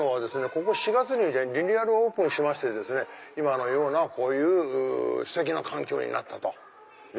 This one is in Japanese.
ここ４月にリニューアルオープンしまして今のようなこういうステキな環境になったと。